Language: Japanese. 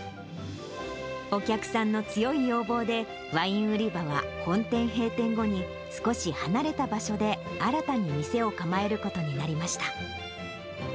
お客さんの強い要望で、ワイン売り場は本店閉店後に、少し離れた場所で新たに店を構えることになりました。